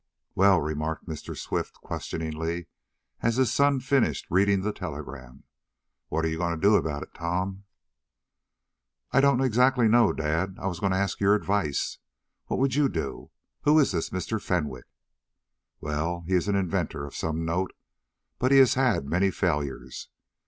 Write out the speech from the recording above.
'" "Well?" remarked Mr. Swift, questioningly, as his son finished reading the telegram. "What are you going to do about it, Tom?" "I don't exactly know, dad. I was going to ask your advice. What would you do? Who is this Mr. Fenwick?" "Well, he is an inventor of some note, but he has had many failures.